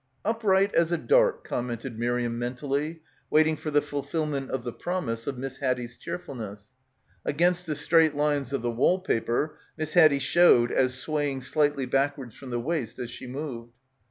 'Upright as a dart/ com mented Miriam mentally, waiting for the fulfil ment of the promise of Miss Haddie's cheerful ness. Against the straight lines of the wall paper Miss Haddie showed as swaying slightly back wards from the waist as she moved.